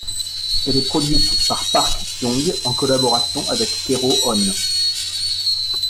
Elle est produite par Park Kyung en collaboration avec Kero One.